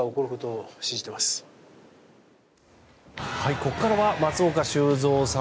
ここからは松岡修造さん。